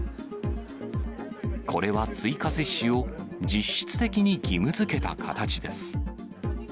これは追加接種を実質的に義務づけた形です。